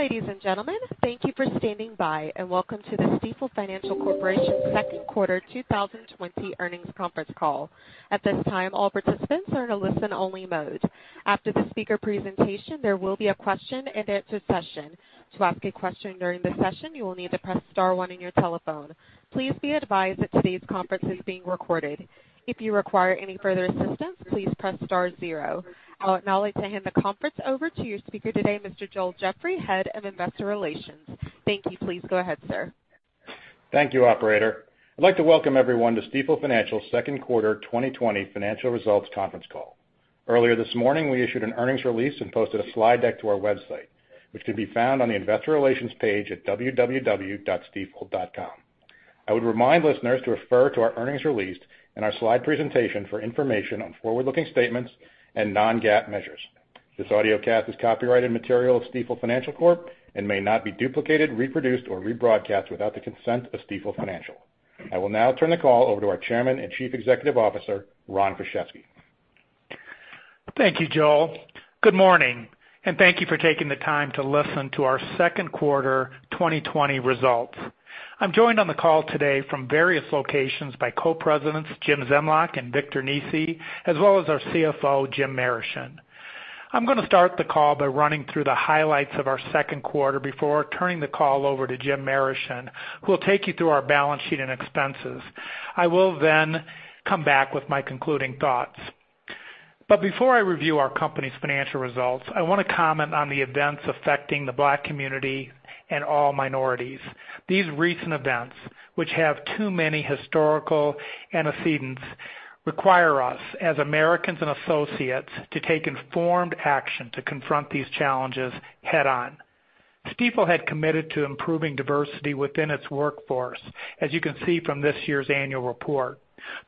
Ladies and gentlemen, thank you for standing by and welcome to the Stifel Financial Corporation's second quarter 2020 earnings conference call. At this time, all participants are in a listen-only mode. After the speaker presentation, there will be a question-and-answer session. To ask a question during the session, you will need to press star one in your telephone. Please be advised that today's conference is being recorded. If you require any further assistance, please press star zero. I'll now like to hand the conference over to your speaker today, Mr. Joel Jeffrey, Head of Investor Relations. Thank you. Please go ahead, sir. Thank you, operator. I'd like to welcome everyone to Stifel Financial's second quarter 2020 financial results conference call. Earlier this morning, we issued an earnings release and posted a slide deck to our website, which can be found on the investor relations page at www.stifel.com. I would remind listeners to refer to our earnings release and our slide presentation for information on forward-looking statements and non-GAAP measures. This audiocast is copyrighted material of Stifel Financial Corp and may not be duplicated, reproduced, or rebroadcast without the consent of Stifel Financial. I will now turn the call over to our Chairman and Chief Executive Officer, Ron Kruszewski. Thank you, Joel. Good morning, and thank you for taking the time to listen to our second quarter 2020 results. I'm joined on the call today from various locations by Co-Presidents Jim Zemlyak and Victor Nesi, as well as our CFO, Jim Marischen. I'm going to start the call by running through the highlights of our second quarter before turning the call over to Jim Marischen, who will take you through our balance sheet and expenses. I will then come back with my concluding thoughts. But before I review our company's financial results, I want to comment on the events affecting the Black community and all minorities. These recent events, which have too many historical antecedents, require us as Americans and associates to take informed action to confront these challenges head-on. Stifel had committed to improving diversity within its workforce, as you can see from this year's annual report.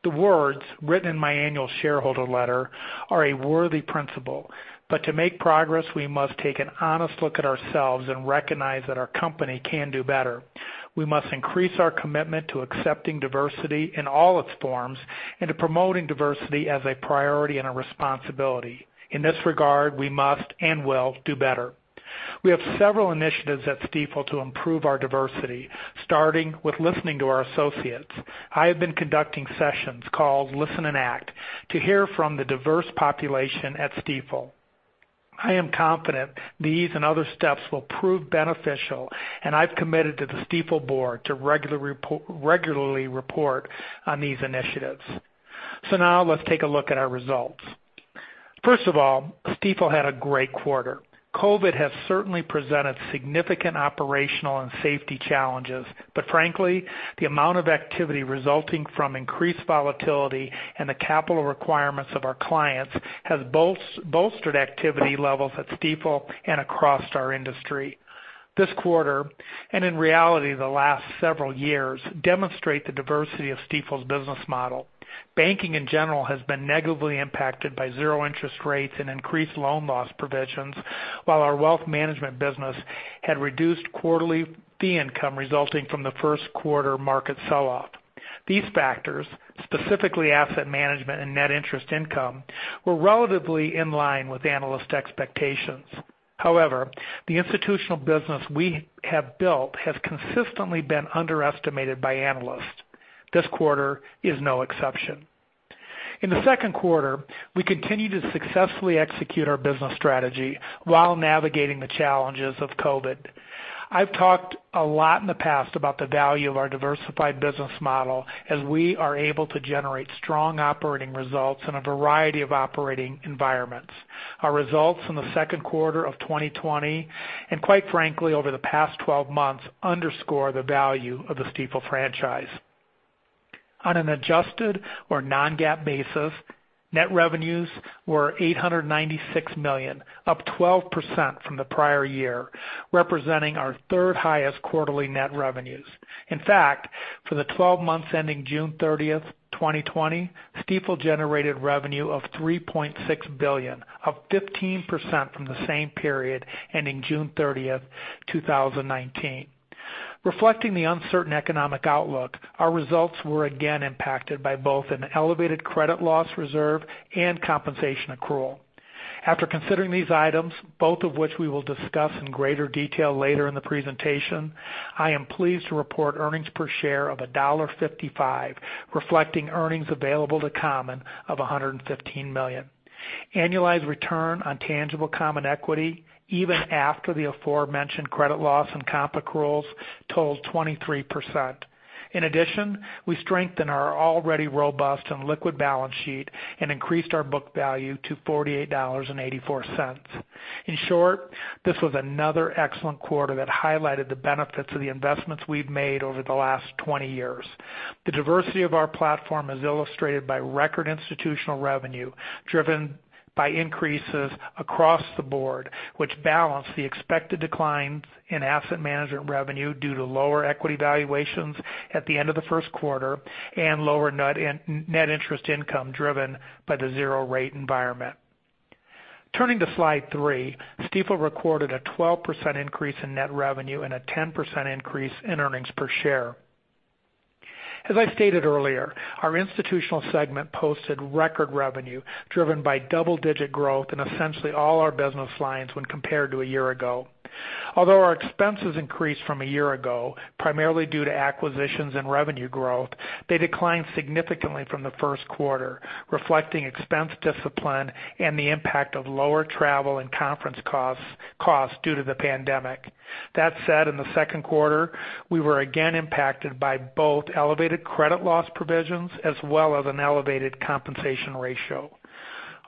The words written in my annual shareholder letter are a worthy principle, but to make progress, we must take an honest look at ourselves and recognize that our company can do better. We must increase our commitment to accepting diversity in all its forms and to promoting diversity as a priority and a responsibility. In this regard, we must and will do better. We have several initiatives at Stifel to improve our diversity, starting with listening to our associates. I have been conducting sessions called Listen and Act to hear from the diverse population at Stifel. I am confident these and other steps will prove beneficial, and I've committed to the Stifel board to regularly report on these initiatives. So now let's take a look at our results. First of all, Stifel had a great quarter. COVID has certainly presented significant operational and safety challenges, but frankly, the amount of activity resulting from increased volatility and the capital requirements of our clients has bolstered activity levels at Stifel and across our industry. This quarter, and in reality, the last several years, demonstrate the diversity of Stifel's business model. Banking in general has been negatively impacted by zero interest rates and increased loan loss provisions, while our wealth management business had reduced quarterly fee income resulting from the first quarter market sell-off. These factors, specifically asset management and net interest income, were relatively in line with analyst expectations. However, the institutional business we have built has consistently been underestimated by analysts. This quarter is no exception. In the second quarter, we continue to successfully execute our business strategy while navigating the challenges of COVID. I've talked a lot in the past about the value of our diversified business model as we are able to generate strong operating results in a variety of operating environments. Our results in the second quarter of 2020, and quite frankly, over the past 12 months, underscore the value of the Stifel franchise. On an adjusted or non-GAAP basis, net revenues were $896 million, up 12% from the prior year, representing our third highest quarterly net revenues. In fact, for the 12 months ending June 30th, 2020, Stifel generated revenue of $3.6 billion, up 15% from the same period ending June 30th, 2019. Reflecting the uncertain economic outlook, our results were again impacted by both an elevated credit loss reserve and compensation accrual. After considering these items, both of which we will discuss in greater detail later in the presentation, I am pleased to report earnings per share of $1.55, reflecting earnings available to common of $115 million. Annualized return on tangible common equity, even after the aforementioned credit loss and comp accruals, totaled 23%. In addition, we strengthened our already robust and liquid balance sheet and increased our book value to $48.84. In short, this was another excellent quarter that highlighted the benefits of the investments we've made over the last 20 years. The diversity of our platform is illustrated by record institutional revenue driven by increases across the board, which balanced the expected declines in asset management revenue due to lower equity valuations at the end of the first quarter and lower net interest income driven by the zero rate environment. Turning to slide three, Stifel recorded a 12% increase in net revenue and a 10% increase in earnings per share. As I stated earlier, our institutional segment posted record revenue driven by double-digit growth in essentially all our business lines when compared to a year ago. Although our expenses increased from a year ago, primarily due to acquisitions and revenue growth, they declined significantly from the first quarter, reflecting expense discipline and the impact of lower travel and conference costs due to the pandemic. That said, in the second quarter, we were again impacted by both elevated credit loss provisions as well as an elevated compensation ratio.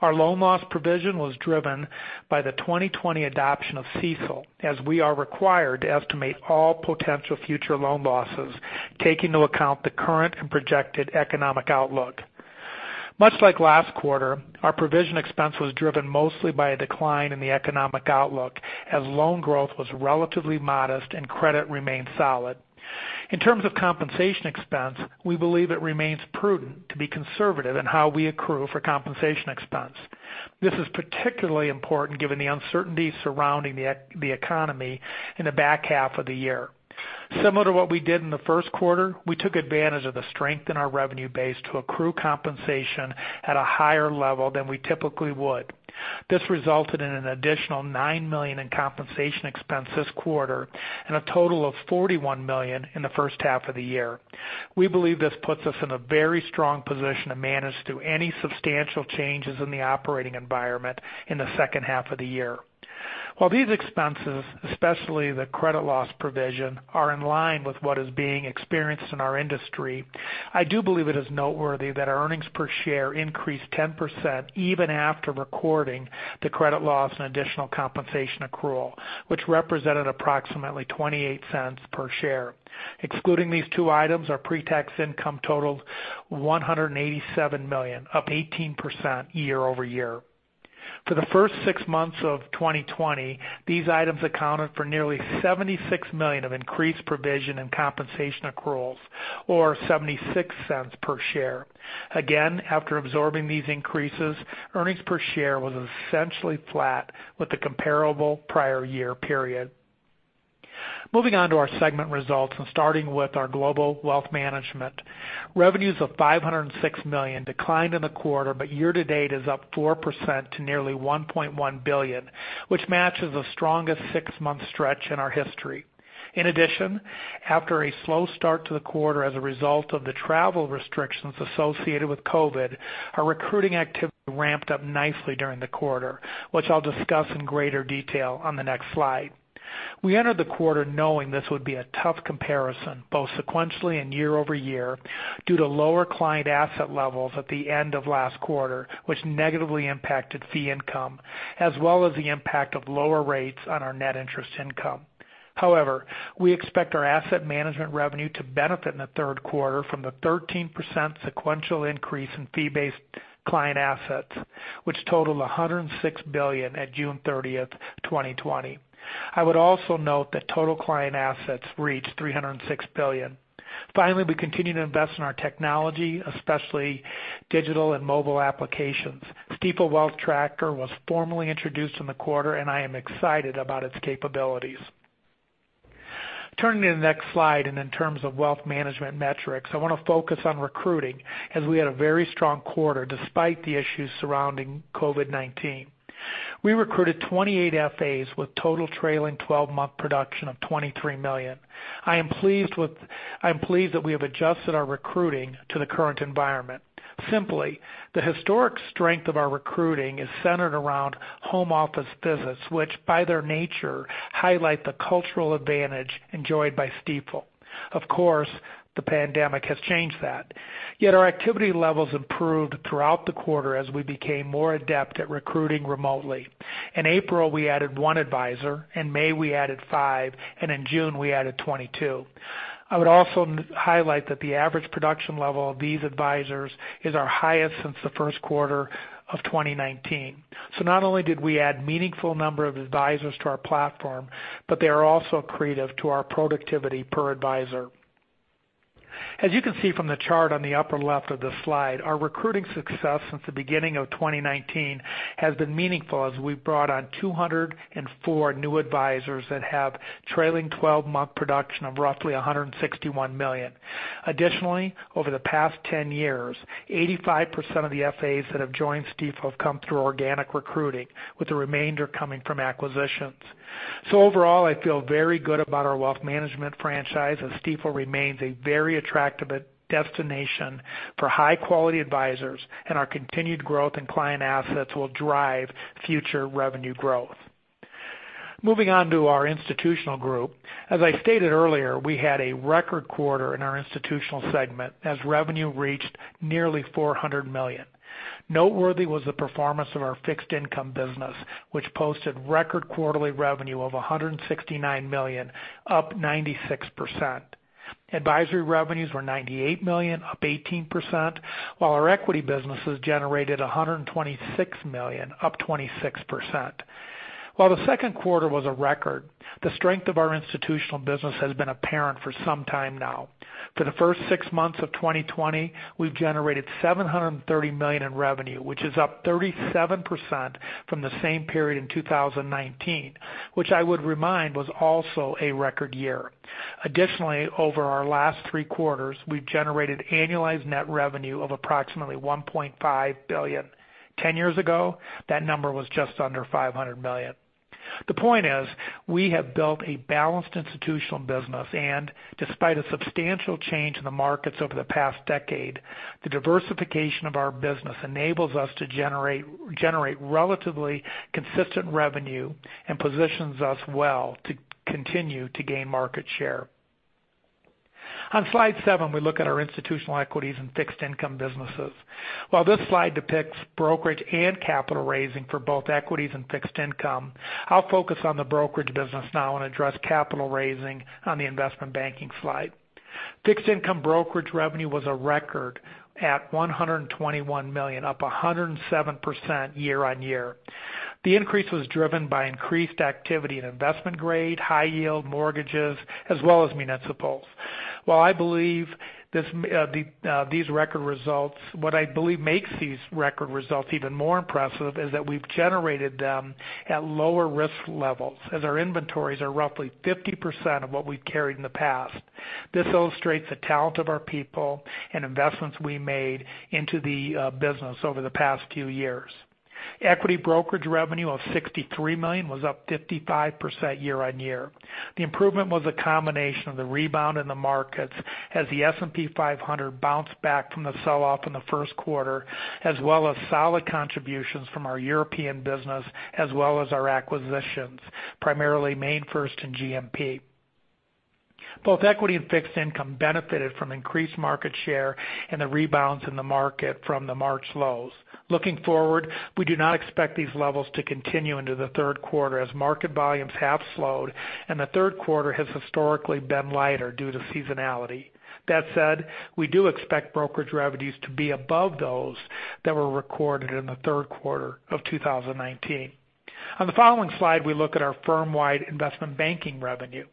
Our loan loss provision was driven by the 2020 adoption of CECL, as we are required to estimate all potential future loan losses, taking into account the current and projected economic outlook. Much like last quarter, our provision expense was driven mostly by a decline in the economic outlook, as loan growth was relatively modest and credit remained solid. In terms of compensation expense, we believe it remains prudent to be conservative in how we accrue for compensation expense. This is particularly important given the uncertainty surrounding the economy in the back half of the year. Similar to what we did in the first quarter, we took advantage of the strength in our revenue base to accrue compensation at a higher level than we typically would. This resulted in an additional $9 million in compensation expense this quarter and a total of $41 million in the first half of the year. We believe this puts us in a very strong position to manage through any substantial changes in the operating environment in the second half of the year. While these expenses, especially the credit loss provision, are in line with what is being experienced in our industry, I do believe it is noteworthy that our earnings per share increased 10% even after recording the credit loss and additional compensation accrual, which represented approximately $0.28 per share. Excluding these two items, our pretax income totaled $187 million, up 18% year over year. For the first six months of 2020, these items accounted for nearly $76 million of increased provision and compensation accruals, or $0.76 per share. Again, after absorbing these increases, earnings per share was essentially flat with a comparable prior year period. Moving on to our segment results and starting with our Global Wealth Management. Revenues of $506 million declined in the quarter, but year to date is up 4% to nearly $1.1 billion, which matches the strongest six-month stretch in our history. In addition, after a slow start to the quarter as a result of the travel restrictions associated with COVID, our recruiting activity ramped up nicely during the quarter, which I'll discuss in greater detail on the next slide. We entered the quarter knowing this would be a tough comparison, both sequentially and year over year, due to lower client asset levels at the end of last quarter, which negatively impacted fee income, as well as the impact of lower rates on our net interest income. However, we expect our asset management revenue to benefit in the third quarter from the 13% sequential increase in fee-based client assets, which totaled $106 billion at June 30th, 2020. I would also note that total client assets reached $306 billion. Finally, we continue to invest in our technology, especially digital and mobile applications. Stifel Wealth Tracker was formally introduced in the quarter, and I am excited about its capabilities. Turning to the next slide and in terms of wealth management metrics, I want to focus on recruiting, as we had a very strong quarter despite the issues surrounding COVID-19. We recruited 28 FAs with total trailing 12-month production of $23 million. I am pleased that we have adjusted our recruiting to the current environment. Simply, the historic strength of our recruiting is centered around home office visits, which by their nature highlight the cultural advantage enjoyed by Stifel. Of course, the pandemic has changed that. Yet our activity levels improved throughout the quarter as we became more adept at recruiting remotely. In April, we added one advisor, in May we added five, and in June we added 22. I would also highlight that the average production level of these advisors is our highest since the first quarter of 2019. So not only did we add a meaningful number of advisors to our platform, but they are also accretive to our productivity per advisor. As you can see from the chart on the upper left of the slide, our recruiting success since the beginning of 2019 has been meaningful as we brought on 204 new advisors that have trailing 12-month production of roughly $161 million. Additionally, over the past 10 years, 85% of the FAs that have joined Stifel have come through organic recruiting, with the remainder coming from acquisitions. So overall, I feel very good about our wealth management franchise as Stifel remains a very attractive destination for high-quality advisors, and our continued growth in client assets will drive future revenue growth. Moving on to our institutional group, as I stated earlier, we had a record quarter in our institutional segment as revenue reached nearly $400 million. Noteworthy was the performance of our fixed income business, which posted record quarterly revenue of $169 million, up 96%. Advisory revenues were $98 million, up 18%, while our equity businesses generated $126 million, up 26%. While the second quarter was a record, the strength of our institutional business has been apparent for some time now. For the first six months of 2020, we've generated $730 million in revenue, which is up 37% from the same period in 2019, which I would remind was also a record year. Additionally, over our last three quarters, we've generated annualized net revenue of approximately $1.5 billion. Ten years ago, that number was just under $500 million. The point is, we have built a balanced institutional business, and despite a substantial change in the markets over the past decade, the diversification of our business enables us to generate relatively consistent revenue and positions us well to continue to gain market share. On slide seven, we look at our institutional equities and fixed income businesses. While this slide depicts brokerage and capital raising for both equities and fixed income, I'll focus on the brokerage business now and address capital raising on the investment banking slide. Fixed income brokerage revenue was a record at $121 million, up 107% year on year. The increase was driven by increased activity and investment grade, high-yield mortgages, as well as municipals. While I believe these record results, what I believe makes these record results even more impressive is that we've generated them at lower risk levels, as our inventories are roughly 50% of what we've carried in the past. This illustrates the talent of our people and investments we made into the business over the past few years. Equity brokerage revenue of $63 million was up 55% year on year. The improvement was a combination of the rebound in the markets as the S&P 500 bounced back from the sell-off in the first quarter, as well as solid contributions from our European business, as well as our acquisitions, primarily MainFirst and GMP. Both equity and fixed income benefited from increased market share and the rebounds in the market from the March lows. Looking forward, we do not expect these levels to continue into the third quarter as market volumes have slowed, and the third quarter has historically been lighter due to seasonality. That said, we do expect brokerage revenues to be above those that were recorded in the third quarter of 2019. On the following slide, we look at our firm-wide investment banking revenue.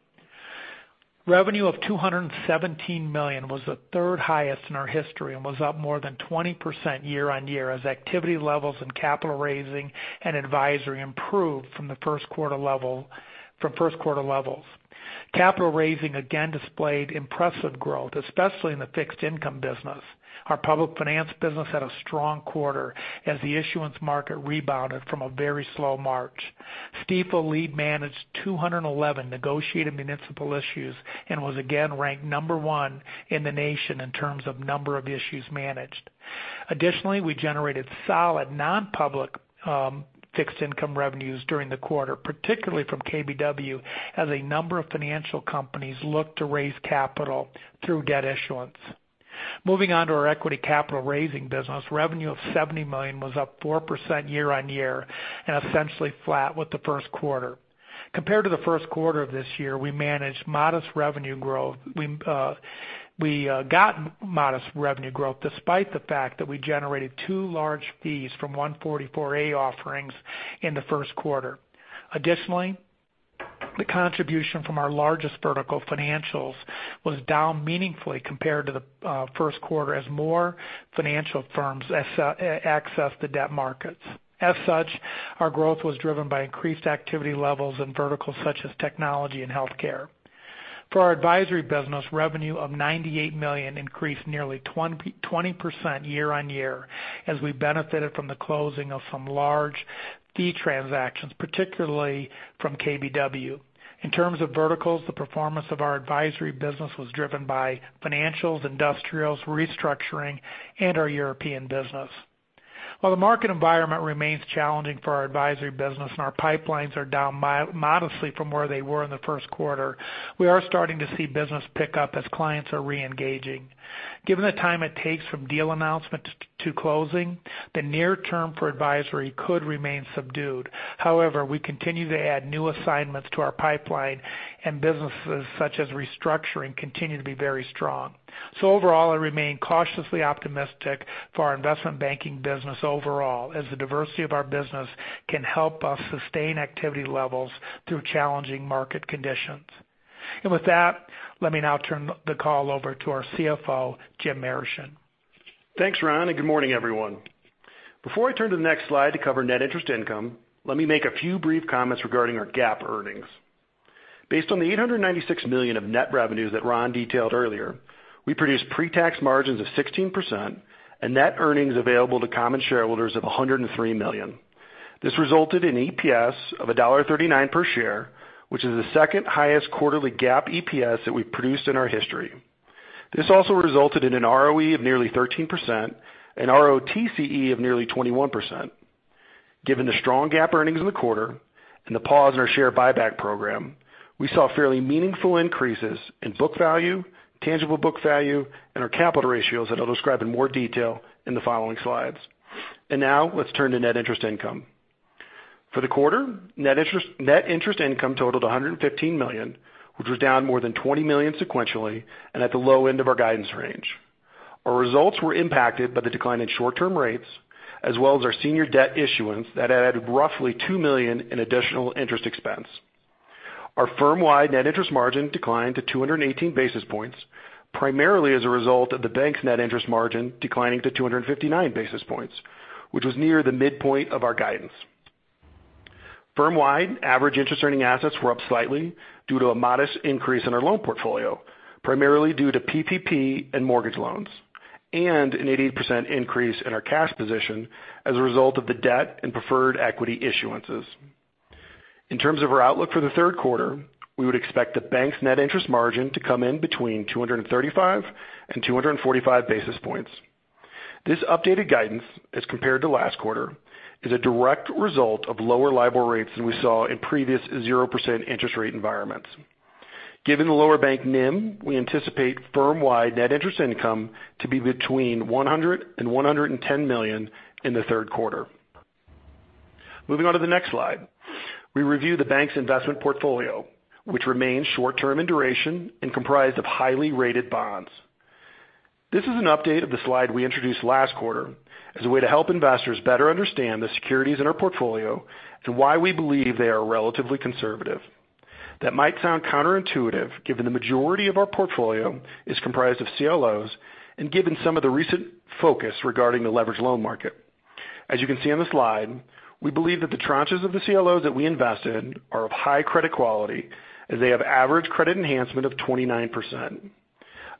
Revenue of $217 million was the third highest in our history and was up more than 20% year on year as activity levels and capital raising and advisory improved from first quarter levels. Capital raising again displayed impressive growth, especially in the fixed income business. Our public finance business had a strong quarter as the issuance market rebounded from a very slow March. Stifel lead managed 211 negotiated municipal issues and was again ranked number one in the nation in terms of number of issues managed. Additionally, we generated solid non-public fixed income revenues during the quarter, particularly from KBW, as a number of financial companies looked to raise capital through debt issuance. Moving on to our equity capital raising business, revenue of $70 million was up 4% year on year and essentially flat with the first quarter. Compared to the first quarter of this year, we managed modest revenue growth. We got modest revenue growth despite the fact that we generated two large fees from 144A offerings in the first quarter. Additionally, the contribution from our largest vertical financials was down meaningfully compared to the first quarter as more financial firms accessed the debt markets. As such, our growth was driven by increased activity levels in verticals such as technology and healthcare. For our advisory business, revenue of $98 million increased nearly 20% year on year as we benefited from the closing of some large fee transactions, particularly from KBW. In terms of verticals, the performance of our advisory business was driven by financials, industrials, restructuring, and our European business. While the market environment remains challenging for our advisory business and our pipelines are down modestly from where they were in the first quarter, we are starting to see business pick up as clients are re-engaging. Given the time it takes from deal announcement to closing, the near term for advisory could remain subdued. However, we continue to add new assignments to our pipeline, and businesses such as restructuring continue to be very strong. So overall, I remain cautiously optimistic for our investment banking business overall, as the diversity of our business can help us sustain activity levels through challenging market conditions. With that, let me now turn the call over to our CFO, Jim Marischen. Thanks, Ron, and good morning, everyone. Before I turn to the next slide to cover net interest income, let me make a few brief comments regarding our GAAP earnings. Based on the $896 million of net revenues that Ron detailed earlier, we produced pretax margins of 16% and net earnings available to common shareholders of $103 million. This resulted in an EPS of $1.39 per share, which is the second highest quarterly GAAP EPS that we've produced in our history. This also resulted in an ROE of nearly 13% and ROTCE of nearly 21%. Given the strong GAAP earnings in the quarter and the pause in our share buyback program, we saw fairly meaningful increases in book value, tangible book value, and our capital ratios that I'll describe in more detail in the following slides. And now let's turn to net interest income. For the quarter, net interest income totaled $115 million, which was down more than $20 million sequentially and at the low end of our guidance range. Our results were impacted by the decline in short-term rates, as well as our senior debt issuance that added roughly $2 million in additional interest expense. Our firm-wide net interest margin declined to 218 basis points, primarily as a result of the bank's net interest margin declining to 259 basis points, which was near the midpoint of our guidance. Firm-wide average interest-earning assets were up slightly due to a modest increase in our loan portfolio, primarily due to PPP and mortgage loans, and an 88% increase in our cash position as a result of the debt and preferred equity issuances. In terms of our outlook for the third quarter, we would expect the bank's net interest margin to come in between 235 and 245 basis points. This updated guidance, as compared to last quarter, is a direct result of lower LIBOR rates than we saw in previous 0% interest rate environments. Given the lower bank NIM, we anticipate firm-wide net interest income to be between $100 million and $110 million in the third quarter. Moving on to the next slide, we review the bank's investment portfolio, which remains short-term in duration and comprised of highly rated bonds. This is an update of the slide we introduced last quarter as a way to help investors better understand the securities in our portfolio and why we believe they are relatively conservative. That might sound counterintuitive given the majority of our portfolio is comprised of CLOs and given some of the recent focus regarding the leveraged loan market. As you can see on the slide, we believe that the tranches of the CLOs that we invest in are of high credit quality as they have average credit enhancement of 29%.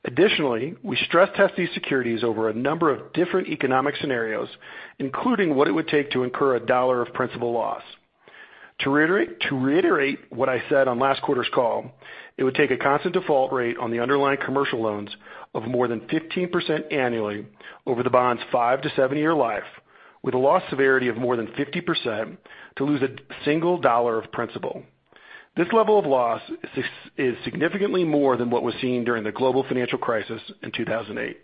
Additionally, we stress-test these securities over a number of different economic scenarios, including what it would take to incur $1 of principal loss. To reiterate what I said on last quarter's call, it would take a constant default rate on the underlying commercial loans of more than 15% annually over the bond's five-to-seven-year life, with a loss severity of more than 50% to lose a single $1 of principal. This level of loss is significantly more than what was seen during the global financial crisis in 2008.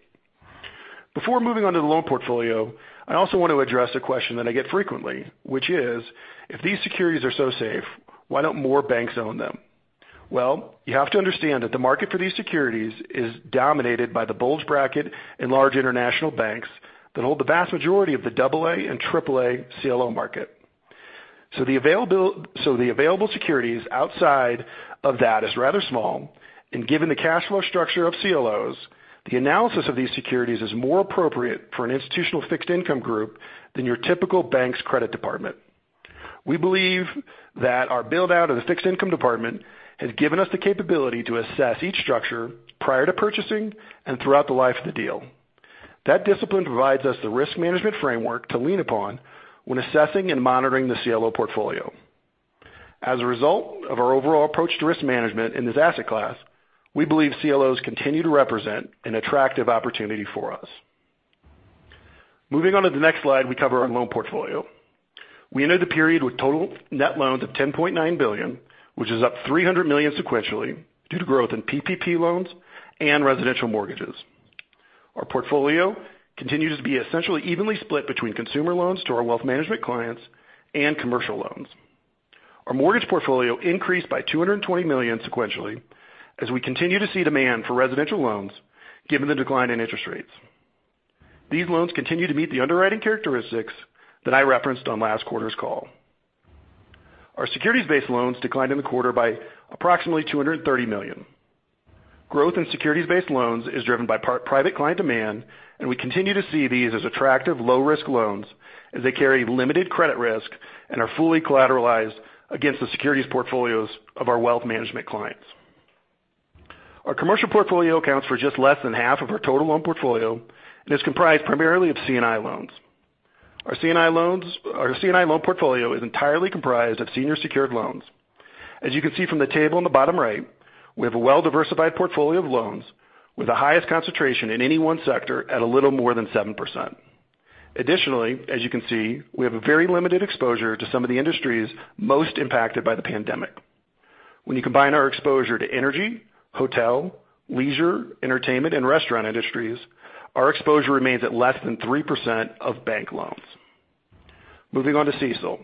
Before moving on to the loan portfolio, I also want to address a question that I get frequently, which is, if these securities are so safe, why don't more banks own them? Well, you have to understand that the market for these securities is dominated by the bulge bracket and large international banks that hold the vast majority of the AA and AAA CLO market. So the available securities outside of that is rather small, and given the cash flow structure of CLOs, the analysis of these securities is more appropriate for an institutional fixed income group than your typical bank's credit department. We believe that our build-out of the fixed income department has given us the capability to assess each structure prior to purchasing and throughout the life of the deal. That discipline provides us the risk management framework to lean upon when assessing and monitoring the CLO portfolio. As a result of our overall approach to risk management in this asset class, we believe CLOs continue to represent an attractive opportunity for us. Moving on to the next slide, we cover our loan portfolio. We entered the period with total net loans of $10.9 billion, which is up $300 million sequentially due to growth in PPP loans and residential mortgages. Our portfolio continues to be essentially evenly split between consumer loans to our wealth management clients and commercial loans. Our mortgage portfolio increased by $220 million sequentially as we continue to see demand for residential loans given the decline in interest rates. These loans continue to meet the underwriting characteristics that I referenced on last quarter's call. Our securities-based loans declined in the quarter by approximately $230 million. Growth in securities-based loans is driven by private client demand, and we continue to see these as attractive low-risk loans as they carry limited credit risk and are fully collateralized against the securities portfolios of our wealth management clients. Our commercial portfolio accounts for just less than half of our total loan portfolio and is comprised primarily of C&I loans. Our C&I loan portfolio is entirely comprised of senior secured loans. As you can see from the table on the bottom right, we have a well-diversified portfolio of loans with the highest concentration in any one sector at a little more than 7%. Additionally, as you can see, we have a very limited exposure to some of the industries most impacted by the pandemic. When you combine our exposure to energy, hotel, leisure, entertainment, and restaurant industries, our exposure remains at less than 3% of bank loans. Moving on to CECL.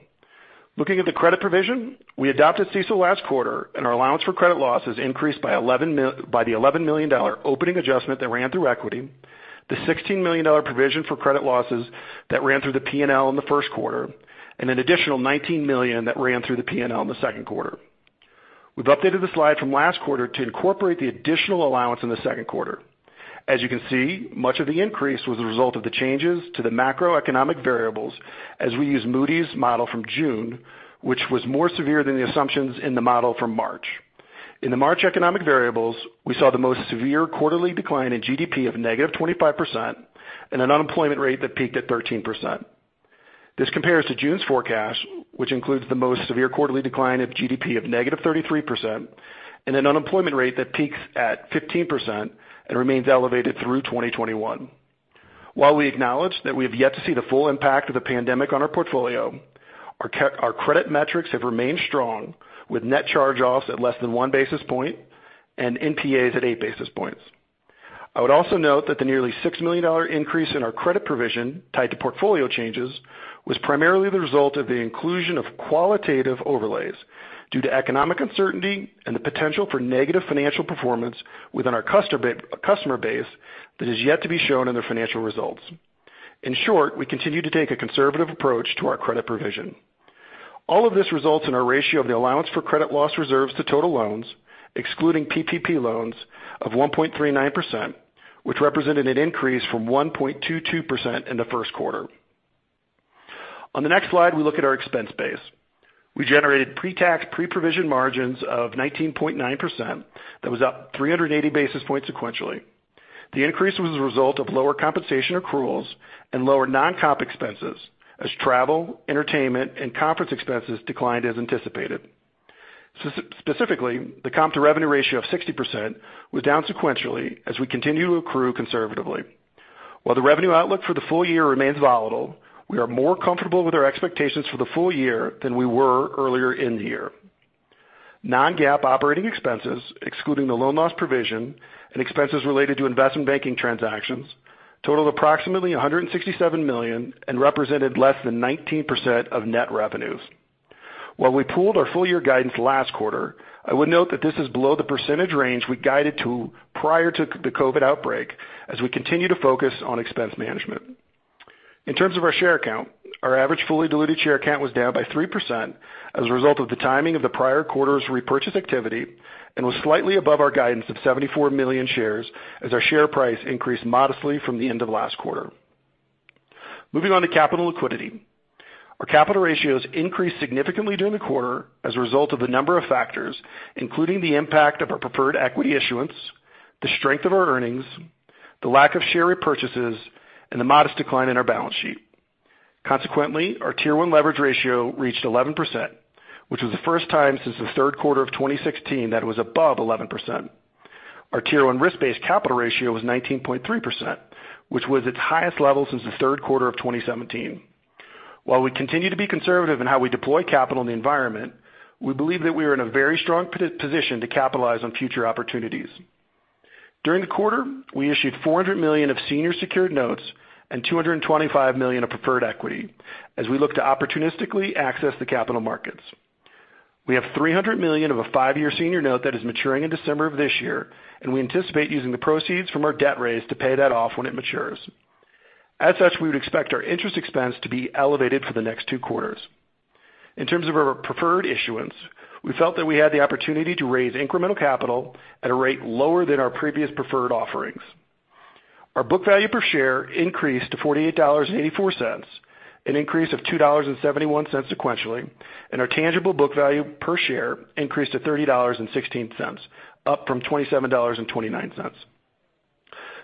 Looking at the credit provision, we adopted CECL last quarter, and our allowance for credit loss has increased by the $11 million opening adjustment that ran through equity, the $16 million provision for credit losses that ran through the P&L in the first quarter, and an additional $19 million that ran through the P&L in the second quarter. We've updated the slide from last quarter to incorporate the additional allowance in the second quarter. As you can see, much of the increase was the result of the changes to the macroeconomic variables as we use Moody's model from June, which was more severe than the assumptions in the model from March. In the March economic variables, we saw the most severe quarterly decline in GDP of negative 25% and an unemployment rate that peaked at 13%. This compares to June's forecast, which includes the most severe quarterly decline of GDP of negative 33% and an unemployment rate that peaks at 15% and remains elevated through 2021. While we acknowledge that we have yet to see the full impact of the pandemic on our portfolio, our credit metrics have remained strong with net charge-offs at less than one basis point and NPAs at eight basis points. I would also note that the nearly $6 million increase in our credit provision tied to portfolio changes was primarily the result of the inclusion of qualitative overlays due to economic uncertainty and the potential for negative financial performance within our customer base that has yet to be shown in their financial results. In short, we continue to take a conservative approach to our credit provision. All of this results in our ratio of the allowance for credit loss reserves to total loans, excluding PPP loans, of 1.39%, which represented an increase from 1.22% in the first quarter. On the next slide, we look at our expense base. We generated pretax pre-provision margins of 19.9%. That was up 380 basis points sequentially. The increase was the result of lower compensation accruals and lower non-comp expenses as travel, entertainment, and conference expenses declined as anticipated. Specifically, the comp to revenue ratio of 60% was down sequentially as we continue to accrue conservatively. While the revenue outlook for the full year remains volatile, we are more comfortable with our expectations for the full year than we were earlier in the year. Non-GAAP operating expenses, excluding the loan loss provision and expenses related to investment banking transactions, totaled approximately $167 million and represented less than 19% of net revenues. While we pulled our full-year guidance last quarter, I would note that this is below the percentage range we guided to prior to the COVID outbreak as we continue to focus on expense management. In terms of our share count, our average fully diluted share count was down by 3% as a result of the timing of the prior quarter's repurchase activity and was slightly above our guidance of 74 million shares as our share price increased modestly from the end of last quarter. Moving on to capital liquidity. Our capital ratios increased significantly during the quarter as a result of the number of factors, including the impact of our preferred equity issuance, the strength of our earnings, the lack of share repurchases, and the modest decline in our balance sheet. Consequently, our Tier 1 leverage ratio reached 11%, which was the first time since the third quarter of 2016 that it was above 11%. Our Tier 1 risk-based capital ratio was 19.3%, which was its highest level since the third quarter of 2017. While we continue to be conservative in how we deploy capital in the environment, we believe that we are in a very strong position to capitalize on future opportunities. During the quarter, we issued $400 million of senior secured notes and $225 million of preferred equity as we look to opportunistically access the capital markets. We have $300 million of a five-year senior note that is maturing in December of this year, and we anticipate using the proceeds from our debt raise to pay that off when it matures. As such, we would expect our interest expense to be elevated for the next two quarters. In terms of our preferred issuance, we felt that we had the opportunity to raise incremental capital at a rate lower than our previous preferred offerings. Our book value per share increased to $48.84, an increase of $2.71 sequentially, and our tangible book value per share increased to $30.16, up from $27.29.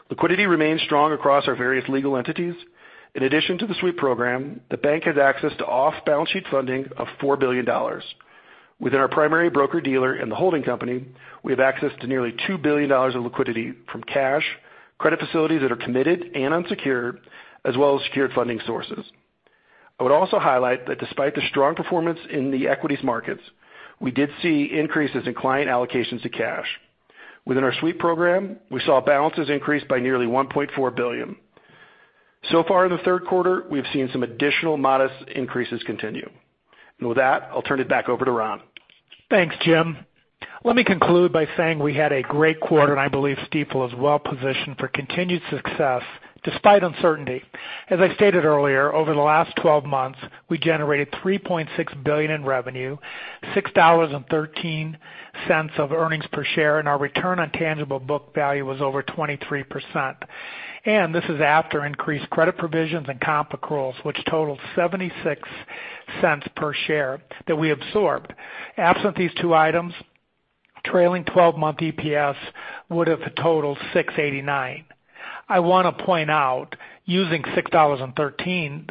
Liquidity remains strong across our various legal entities. In addition to the Sweep program, the bank has access to off-balance sheet funding of $4 billion. Within our primary broker-dealer and the holding company, we have access to nearly $2 billion of liquidity from cash, credit facilities that are committed and unsecured, as well as secured funding sources. I would also highlight that despite the strong performance in the equities markets, we did see increases in client allocations to cash. Within our Sweep program, we saw balances increase by nearly $1.4 billion. So far in the third quarter, we have seen some additional modest increases continue, and with that, I'll turn it back over to Ron. Thanks, Jim. Let me conclude by saying we had a great quarter, and I believe Stifel is well-positioned for continued success despite uncertainty. As I stated earlier, over the last 12 months, we generated $3.6 billion in revenue, $6.13 of earnings per share, and our return on tangible book value was over 23%. And this is after increased credit provisions and comp accruals, which totaled $0.76 per share that we absorbed. Absent these two items, trailing 12-month EPS would have totaled $6.89. I want to point out, using $6.13 and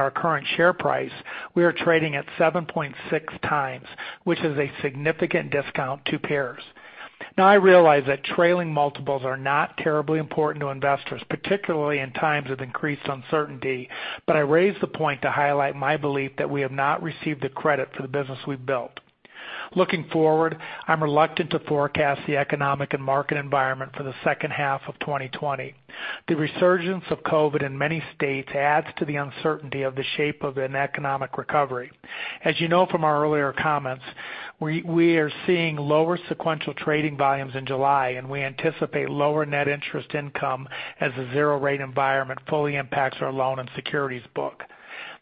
our current share price, we are trading at 7.6 times, which is a significant discount to peers. Now, I realize that trailing multiples are not terribly important to investors, particularly in times of increased uncertainty, but I raise the point to highlight my belief that we have not received the credit for the business we've built. Looking forward, I'm reluctant to forecast the economic and market environment for the second half of 2020. The resurgence of COVID in many states adds to the uncertainty of the shape of an economic recovery. As you know from our earlier comments, we are seeing lower sequential trading volumes in July, and we anticipate lower net interest income as the zero-rate environment fully impacts our loan and securities book.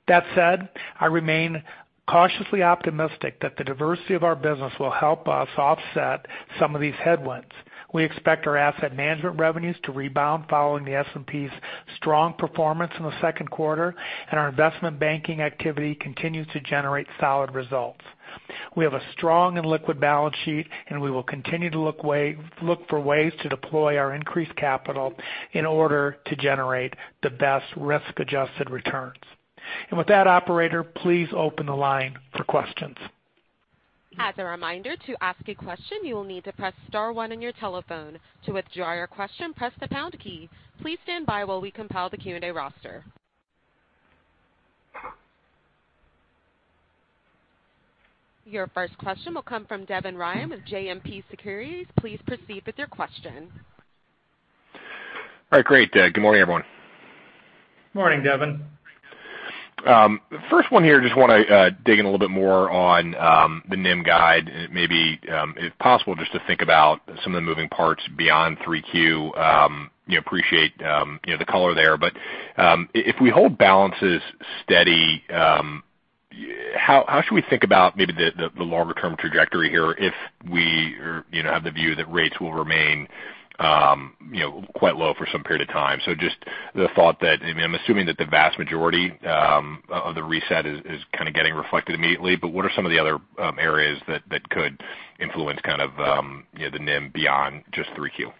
That said, I remain cautiously optimistic that the diversity of our business will help us offset some of these headwinds. We expect our asset management revenues to rebound following the S&P's strong performance in the second quarter, and our investment banking activity continues to generate solid results. We have a strong and liquid balance sheet, and we will continue to look for ways to deploy our increased capital in order to generate the best risk-adjusted returns. And with that, Operator, please open the line for questions. As a reminder, to ask a question, you will need to press star one on your telephone. To withdraw your question, press the pound key. Please stand by while we compile the Q&A roster. Your first question will come from Devin Ryan with JMP Securities. Please proceed with your question. All right, great. Good morning, everyone. Morning, Devin. The first one here, I just want to dig in a little bit more on the NIM guide, and maybe, if possible, just to think about some of the moving parts beyond 3Q. Appreciate the color there. But if we hold balances steady, how should we think about maybe the longer-term trajectory here if we have the view that rates will remain quite low for some period of time? So just the thought that I'm assuming that the vast majority of the reset is kind of getting reflected immediately, but what are some of the other areas that could influence kind of the NIM beyond just 3Q?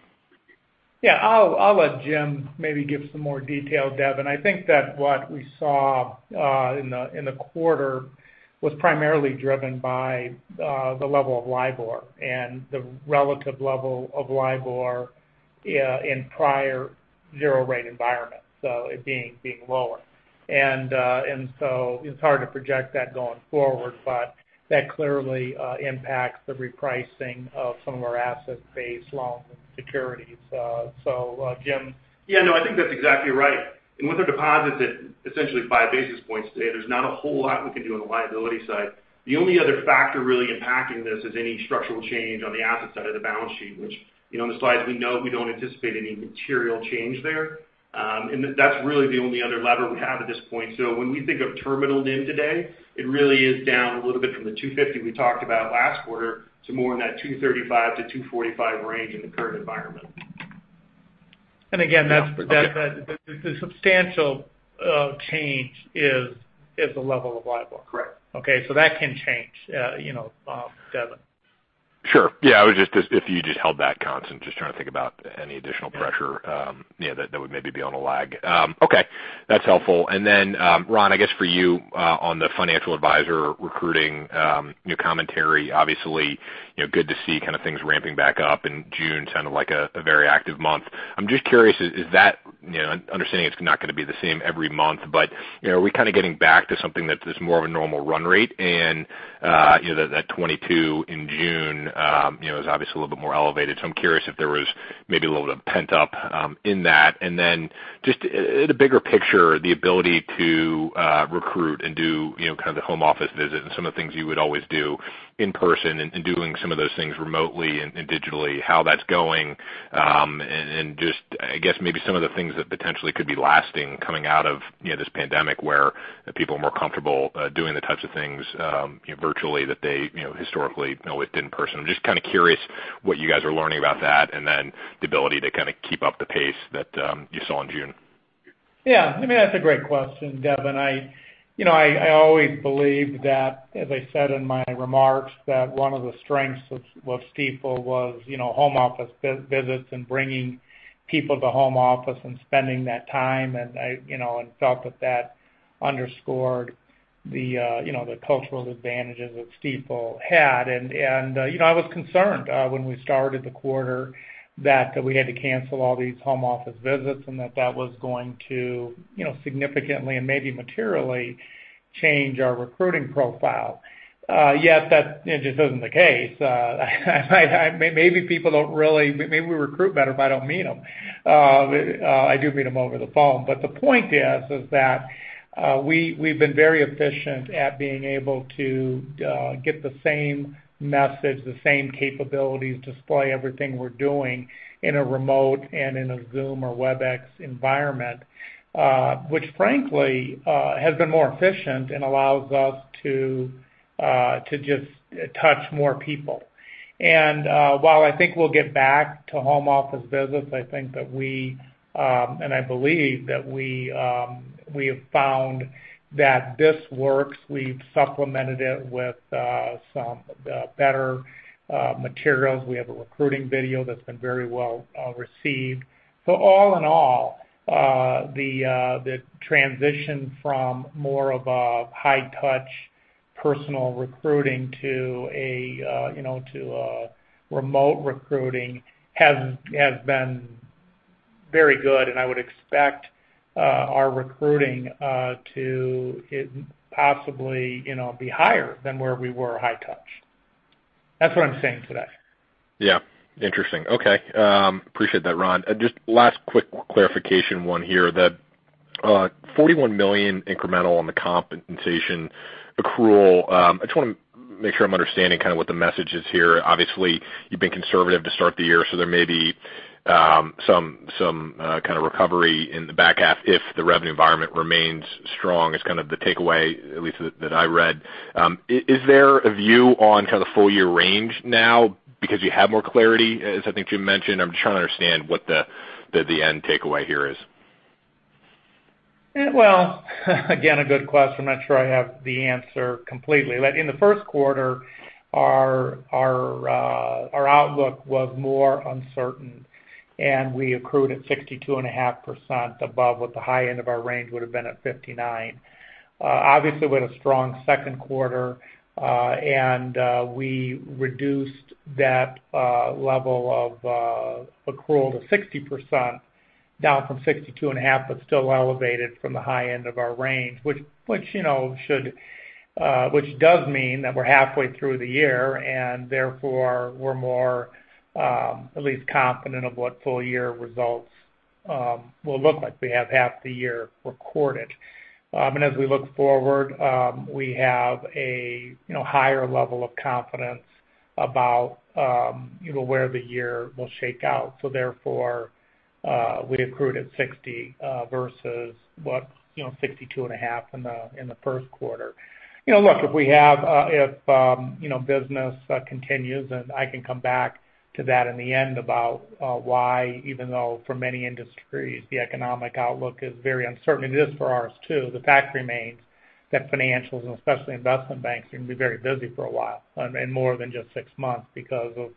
Yeah, I'll let Jim maybe give some more detail, Devin. I think that what we saw in the quarter was primarily driven by the level of LIBOR and the relative level of LIBOR in prior zero-rate environments, so it being lower. And so it's hard to project that going forward, but that clearly impacts the repricing of some of our asset-based loans and securities. So, Jim. Yeah, no, I think that's exactly right. And with our deposits at essentially five basis points today, there's not a whole lot we can do on the liability side. The only other factor really impacting this is any structural change on the asset side of the balance sheet, which on the slides, we know we don't anticipate any material change there. And that's really the only other lever we have at this point. So when we think of terminal NIM today, it really is down a little bit from the 250 we talked about last quarter to more in that 235-245 range in the current environment. And again, the substantial change is the level of LIBOR. Correct. Okay, so that can change, Devin. Sure. Yeah, I was just if you just held that constant, just trying to think about any additional pressure that would maybe be on a lag. Okay, that's helpful. And then, Ron, I guess for you on the financial advisor recruiting commentary, obviously good to see kind of things ramping back up in June, sounded like a very active month. I'm just curious, is that understanding it's not going to be the same every month, but are we kind of getting back to something that's more of a normal run rate? And that 22 in June is obviously a little bit more elevated. So I'm curious if there was maybe a little bit of pent-up in that. And then just in a bigger picture, the ability to recruit and do kind of the home office visit and some of the things you would always do in person and doing some of those things remotely and digitally, how that's going, and just, I guess, maybe some of the things that potentially could be lasting coming out of this pandemic where people are more comfortable doing the types of things virtually that they historically always did in person. I'm just kind of curious what you guys are learning about that and then the ability to kind of keep up the pace that you saw in June? Yeah, I mean, that's a great question, Devin. I always believe that, as I said in my remarks, that one of the strengths of Stifel was home office visits and bringing people to home office and spending that time, and I felt that that underscored the cultural advantages that Stifel had, and I was concerned when we started the quarter that we had to cancel all these home office visits and that that was going to significantly and maybe materially change our recruiting profile. Yet that just isn't the case. Maybe people don't really. Maybe we recruit better if I don't meet them. I do meet them over the phone, but the point is that we've been very efficient at being able to get the same message, the same capabilities, display everything we're doing in a remote, and in a Zoom or Webex environment, which frankly has been more efficient and allows us to just touch more people. And while I think we'll get back to home office visits, I think that we and I believe that we have found that this works. We've supplemented it with some better materials. We have a recruiting video that's been very well received. So all in all, the transition from more of a high-touch personal recruiting to a remote recruiting has been very good, and I would expect our recruiting to possibly be higher than where we were high-touch. That's what I'm saying today. Yeah. Interesting. Okay. Appreciate that, Ron. Just last quick clarification one here. The $41 million incremental on the compensation accrual, I just want to make sure I'm understanding kind of what the message is here. Obviously, you've been conservative to start the year, so there may be some kind of recovery in the back half if the revenue environment remains strong, is kind of the takeaway, at least that I read. Is there a view on kind of the full-year range now because you have more clarity, as I think Jim mentioned? I'm just trying to understand what the end takeaway here is. Well, again, a good question. I'm not sure I have the answer completely. In the first quarter, our outlook was more uncertain, and we accrued at 62.5% above what the high end of our range would have been at 59%. Obviously, we had a strong second quarter, and we reduced that level of accrual to 60%, down from 62.5%, but still elevated from the high end of our range, which does mean that we're halfway through the year, and therefore, we're more at least confident of what full-year results will look like. We have half the year recorded, and as we look forward, we have a higher level of confidence about where the year will shake out, so therefore, we accrued at 60% versus what, 62.5% in the first quarter. Look, if business continues, and I can come back to that in the end about why, even though for many industries, the economic outlook is very uncertain, it is for ours too, the fact remains that financials and especially investment banks are going to be very busy for a while and more than just six months because of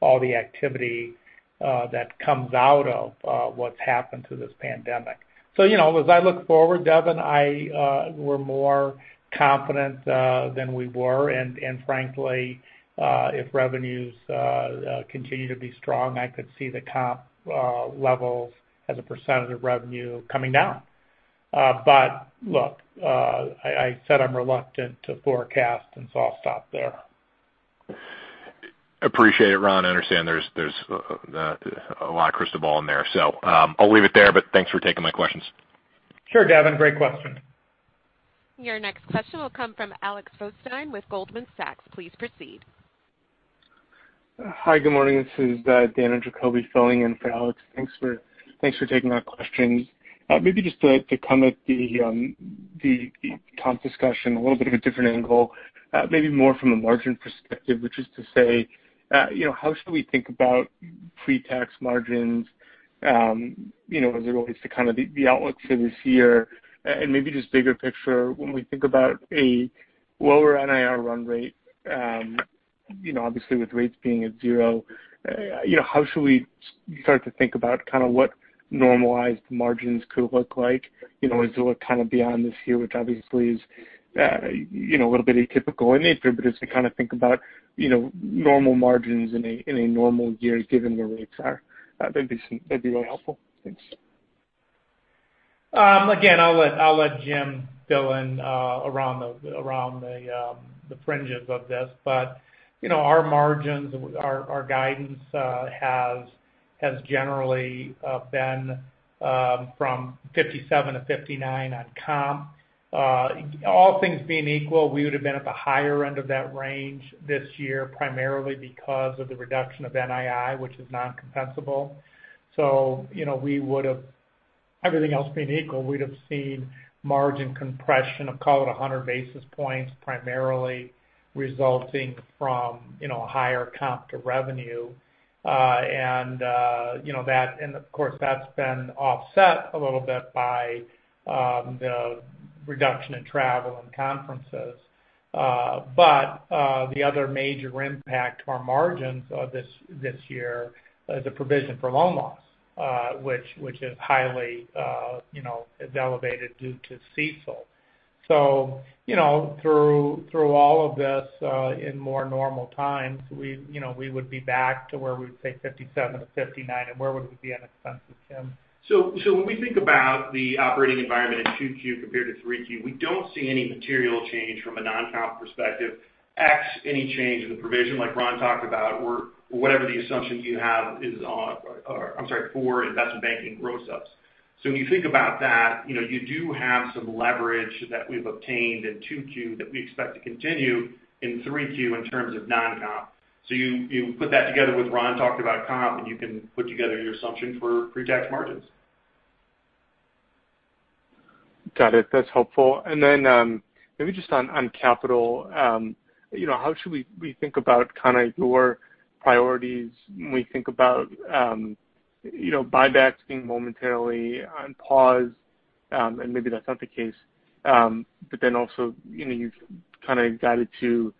all the activity that comes out of what's happened to this pandemic. So as I look forward, Devin, we're more confident than we were. Frankly, if revenues continue to be strong, I could see the comp levels as a percentage of revenue coming down. But look, I said I'm reluctant to forecast, and so I'll stop there. Appreciate it, Ron. I understand there's a lot of crystal ball in there. I'll leave it there, but thanks for taking my questions. Sure, Devin. Great question. Your next question will come from Alex Blostein with Goldman Sachs. Please proceed. Hi, good morning. This is Dan Arias filling in for Alex. Thanks for taking our questions. Maybe just to come at the comp discussion a little bit of a different angle, maybe more from a margin perspective, which is to say, how should we think about pre-tax margins as it relates to kind of the outlook for this year? And maybe just bigger picture, when we think about a lower NIR run rate, obviously with rates being at zero, how should we start to think about kind of what normalized margins could look like? Is there kind of beyond this year, which obviously is a little bit atypical in nature, but just to kind of think about normal margins in a normal year given where rates are? That'd be really helpful. Thanks. Again, I'll let Jim fill in around the fringes of this. But our margins, our guidance has generally been from 57-59 on comp. All things being equal, we would have been at the higher end of that range this year primarily because of the reduction of NII, which is non-compensable. So we would have everything else being equal, we'd have seen margin compression of, call it 100 basis points, primarily resulting from a higher comp to revenue. And of course, that's been offset a little bit by the reduction in travel and conferences. But the other major impact to our margins this year is the provision for loan loss, which is highly elevated due to CECL. So through all of this in more normal times, we would be back to where we would say 57-59, and where would we be in expenses, Jim? So when we think about the operating environment in 2Q compared to 3Q, we don't see any material change from a non-comp perspective, ex any change in the provision like Ron talked about, or whatever the assumption you have is on. I'm sorry, for investment banking growth upside. So when you think about that, you do have some leverage that we've obtained in 2Q that we expect to continue in 3Q in terms of non-comp. So you put that together with Ron talked about comp, and you can put together your assumption for pre-tax margins. Got it. That's helpful. And then maybe just on capital, how should we think about kind of your priorities when we think about buybacks being momentarily on pause? And maybe that's not the case. But then also you've kind of guided to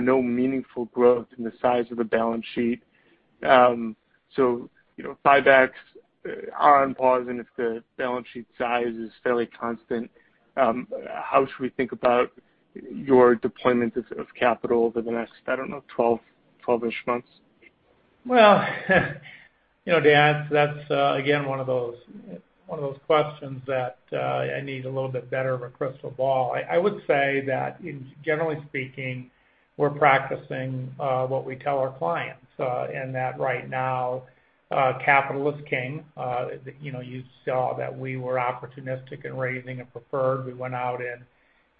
no meaningful growth in the size of the balance sheet. Buybacks are on pause, and if the balance sheet size is fairly constant, how should we think about your deployment of capital over the next, I don't know, 12-ish months? Dan, that's again one of those questions that I need a little bit better of a crystal ball. I would say that generally speaking, we're practicing what we tell our clients and that right now capital is king. You saw that we were opportunistic in raising a preferred. We went out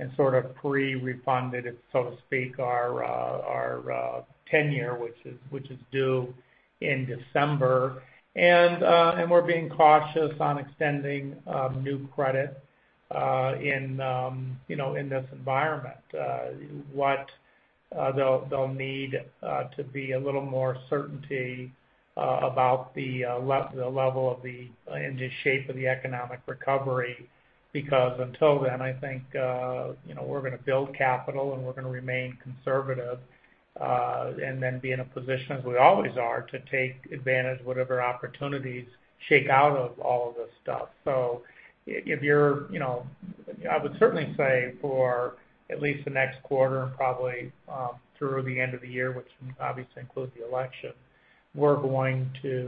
and sort of pre-refunded, so to speak, our 10-year, which is due in December. We're being cautious on extending new credit in this environment. They'll need to be a little more certainty about the level of the and the shape of the economic recovery because until then, I think we're going to build capital and we're going to remain conservative and then be in a position, as we always are, to take advantage of whatever opportunities shake out of all of this stuff. So if you're I would certainly say for at least the next quarter and probably through the end of the year, which obviously includes the election, we're going to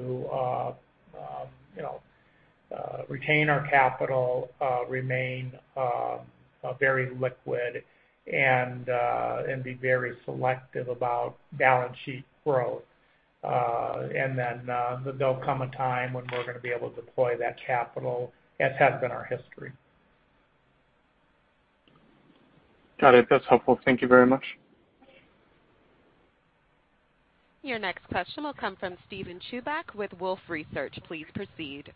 retain our capital, remain very liquid, and be very selective about balance sheet growth. And then there'll come a time when we're going to be able to deploy that capital, as has been our history. Got it. That's helpful. Thank you very much. Your next question will come from Steven Chubak with Wolfe Research. Please proceed.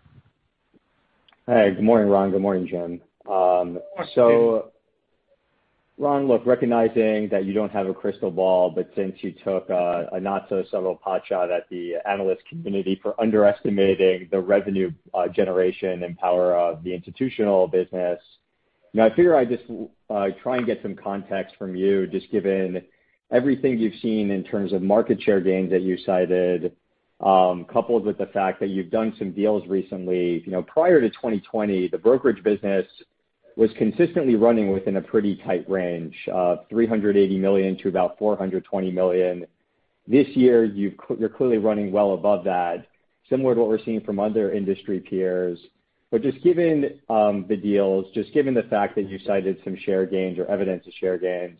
Hey, good morning, Ron. Good morning, Jim. So, Ron, look, recognizing that you don't have a crystal ball, but since you took a not-so-subtle potshot at the analyst community for underestimating the revenue generation and power of the institutional business, I figure I just try and get some context from you, just given everything you've seen in terms of market share gains that you cited, coupled with the fact that you've done some deals recently. Prior to 2020, the brokerage business was consistently running within a pretty tight range, $380 million to about $420 million. This year, you're clearly running well above that, similar to what we're seeing from other industry peers. But just given the deals, just given the fact that you cited some share gains or evidence of share gains,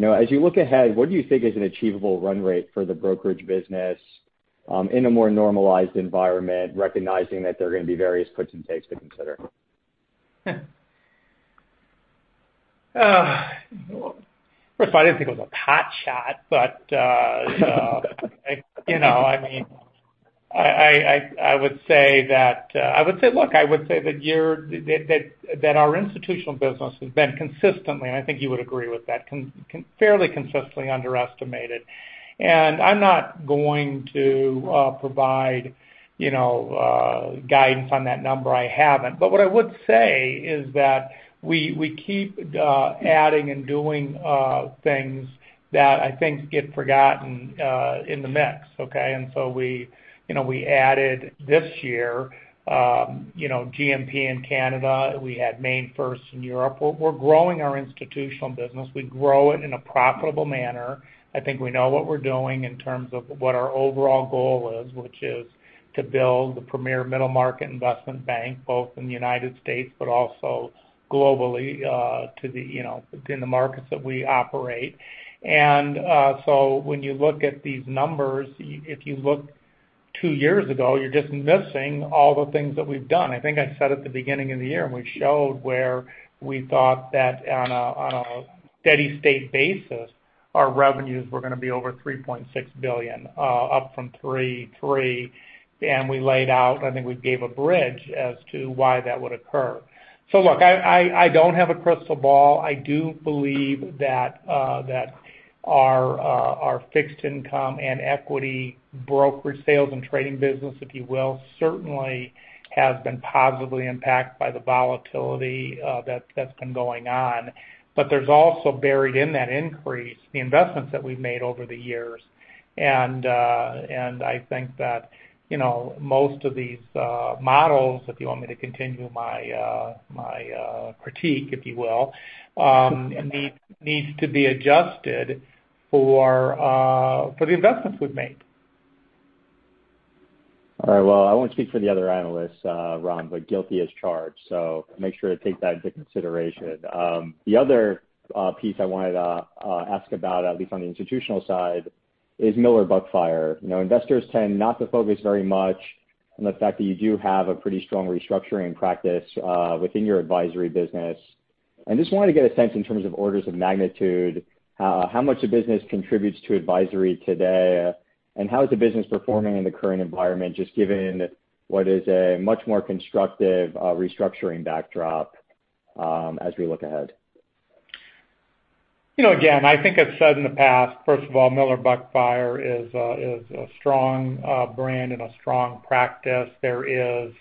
as you look ahead, what do you think is an achievable run rate for the brokerage business in a more normalized environment, recognizing that there are going to be various puts and takes to consider? Of course, I didn't think it was a potshot, but I mean, I would say that I would say, look, I would say that our institutional business has been consistently, and I think you would agree with that, fairly consistently underestimated. And I'm not going to provide guidance on that number. I haven't. But what I would say is that we keep adding and doing things that I think get forgotten in the mix, okay? And so we added this year GMP in Canada. We had MainFirst in Europe. We're growing our institutional business. We grow it in a profitable manner. I think we know what we're doing in terms of what our overall goal is, which is to build the premier middle-market investment bank, both in the United States but also globally in the markets that we operate. And so when you look at these numbers, if you look two years ago, you're just missing all the things that we've done. I think I said at the beginning of the year, and we showed where we thought that on a steady-state basis, our revenues were going to be over $3.6 billion, up from $3.3 billion. And we laid out, I think we gave a bridge as to why that would occur. So look, I don't have a crystal ball. I do believe that our fixed-income and equity brokerage sales and trading business, if you will, certainly has been positively impacted by the volatility that's been going on. But there's also buried in that increase the investments that we've made over the years. And I think that most of these models, if you want me to continue my critique, if you will, needs to be adjusted for the investments we've made. All right. Well, I won't speak for the other analysts, Ron, but guilty as charged. So make sure to take that into consideration. The other piece I wanted to ask about, at least on the institutional side, is Miller Buckfire. Investors tend not to focus very much on the fact that you do have a pretty strong restructuring practice within your advisory business. And just wanted to get a sense in terms of orders of magnitude, how much the business contributes to advisory today, and how is the business performing in the current environment, just given what is a much more constructive restructuring backdrop as we look ahead? Again, I think I've said in the past, first of all, Miller Buckfire is a strong brand and a strong practice. There is,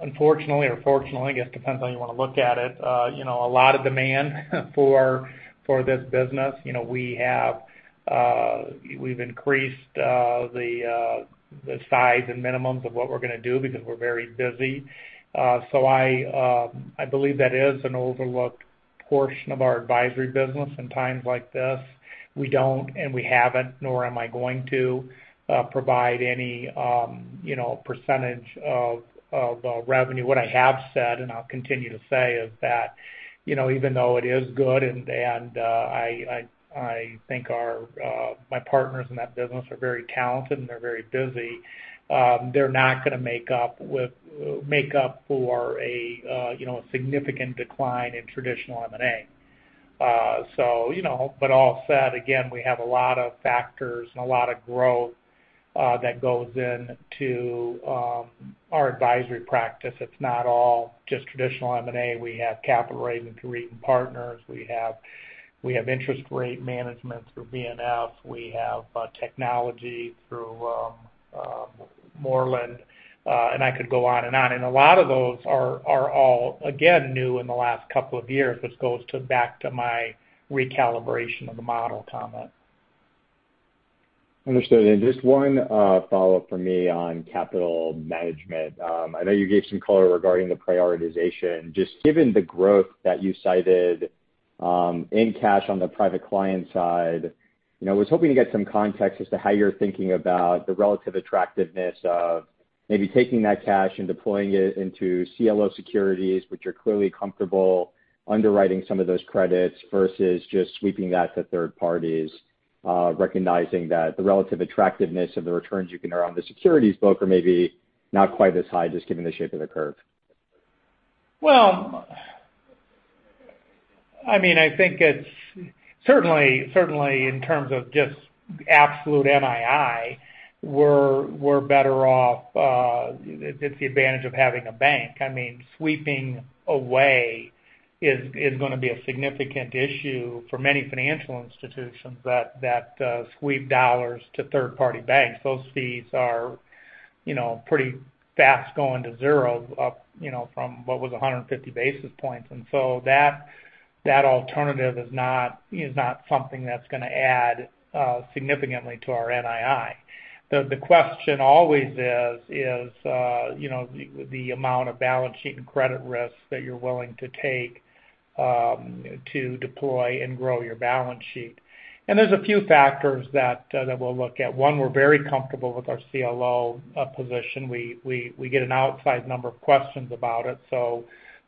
unfortunately or fortunately, I guess it depends on how you want to look at it, a lot of demand for this business. We've increased the size and minimums of what we're going to do because we're very busy. So I believe that is an overlooked portion of our advisory business in times like this. We don't, and we haven't, nor am I going to provide any percentage of revenue. What I have said, and I'll continue to say, is that even though it is good, and I think my partners in that business are very talented and they're very busy, they're not going to make up for a significant decline in traditional M&A. But all said, again, we have a lot of factors and a lot of growth that goes into our advisory practice. It's not all just traditional M&A. We have capital raising through Eaton Partners. We have interest rate management through B&F. We have technology through Mooreland. And I could go on and on. And a lot of those are all, again, new in the last couple of years, which goes back to my recalibration of the model comment. Understood. And just one follow-up from me on capital management. I know you gave some color regarding the prioritization. Just given the growth that you cited in cash on the private client side, I was hoping to get some context as to how you're thinking about the relative attractiveness of maybe taking that cash and deploying it into CLO securities, which are clearly comfortable underwriting some of those credits versus just sweeping that to third parties, recognizing that the relative attractiveness of the returns you can earn on the securities book are maybe not quite as high just given the shape of the curve? Well, I mean, I think it's certainly in terms of just absolute NII, we're better off. It's the advantage of having a bank. I mean, sweeping away is going to be a significant issue for many financial institutions that sweep dollars to third-party banks. Those fees are pretty fast going to zero from what was 150 basis points. And so that alternative is not something that's going to add significantly to our NII. The question always is the amount of balance sheet and credit risk that you're willing to take to deploy and grow your balance sheet. And there's a few factors that we'll look at. One, we're very comfortable with our CLO position. We get an outside number of questions about it. So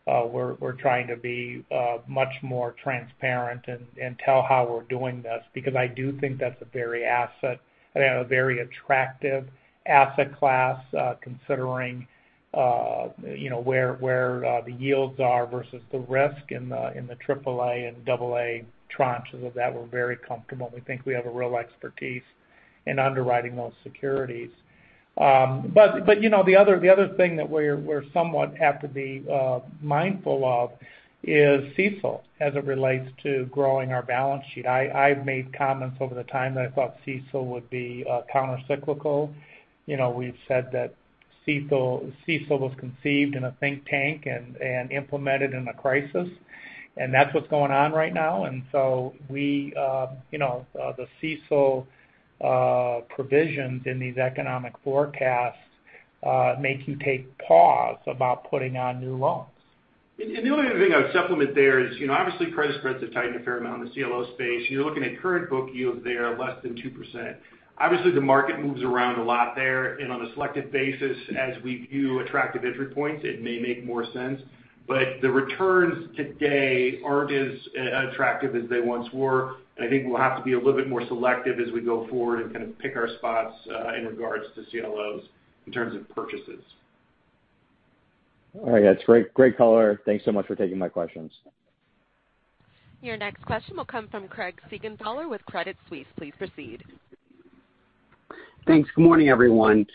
we're trying to be much more transparent and tell how we're doing this because I do think that's a very asset and a very attractive asset class considering where the yields are versus the risk in the AAA and AA tranches of that. We're very comfortable, and we think we have a real expertise in underwriting those securities. But the other thing that we have to be somewhat mindful of is CECL as it relates to growing our balance sheet. I've made comments over the time that I thought CECL would be countercyclical. We've said that CECL was conceived in a think tank and implemented in a crisis. And that's what's going on right now. And so the CECL provisions in these economic forecasts make you take pause about putting on new loans. And the only other thing I would supplement there is, obviously, credit spreads have tightened a fair amount in the CLO space. You're looking at current book yields there, less than 2%. Obviously, the market moves around a lot there. And on a selective basis, as we view attractive entry points, it may make more sense. But the returns today aren't as attractive as they once were. And I think we'll have to be a little bit more selective as we go forward and kind of pick our spots in regards to CLOs in terms of purchases. All right. That's great color. Thanks so much for taking my questions. Your next question will come from Craig Siegenthaler with Credit Suisse. Please proceed. Thanks. Good morning, everyone.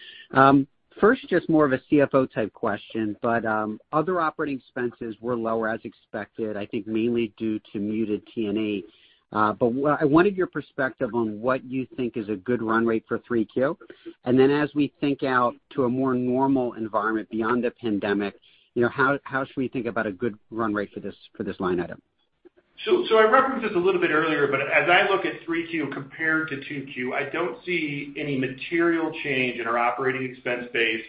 First, just more of a CFO-type question, but other operating expenses were lower as expected, I think mainly due to muted T&E. But I wanted your perspective on what you think is a good run rate for 3Q. And then as we think out to a more normal environment beyond the pandemic, how should we think about a good run rate for this line item. So I referenced this a little bit earlier, but as I look at 3Q compared to 2Q, I don't see any material change in our operating expenses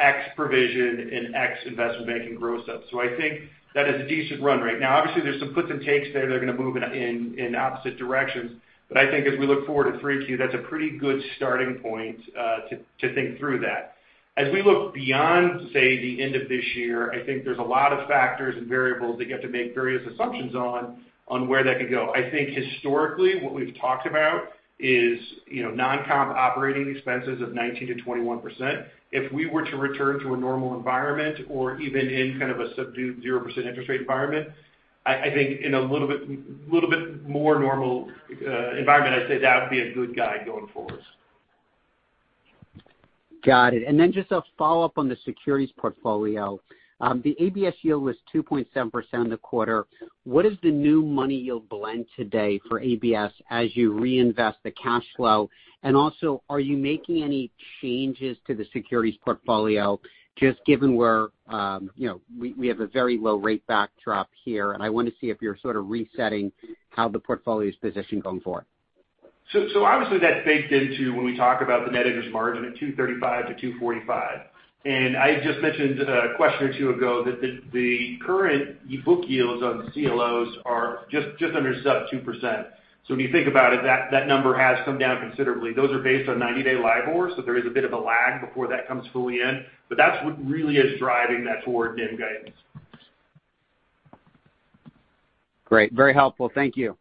ex provision and ex investment banking growth assets. So I think that is a decent run rate. Now, obviously, there's some puts and takes there. They're going to move in opposite directions. But I think as we look forward to 3Q, that's a pretty good starting point to think through that. As we look beyond, say, the end of this year, I think there's a lot of factors and variables that you have to make various assumptions on where that could go. I think historically, what we've talked about is non-comp operating expenses of 19%-21%. If we were to return to a normal environment or even in kind of a subdued 0% interest rate environment, I think in a little bit more normal environment, I'd say that would be a good guide going forward. Got it. And then just a follow-up on the securities portfolio. The ABS yield was 2.7% in the quarter. What is the new money yield blend today for ABS as you reinvest the cash flow? And also, are you making any changes to the securities portfolio, just given where we have a very low rate backdrop here? And I want to see if you're sort of resetting how the portfolio is positioned going forward. So obviously, that's baked into when we talk about the net interest margin at 2.35%-2.45%. And I just mentioned a question or two ago that the current book yields on CLOs are just under sub-2%. So when you think about it, that number has come down considerably. Those are based on 90-day LIBOR, so there is a bit of a lag before that comes fully in. But that's what really is driving that toward NIM guidance. Great. Very helpful. Thank you.